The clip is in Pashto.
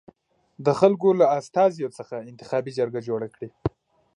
د خلکو له استازیو څخه انتخابي جرګه جوړه کړي.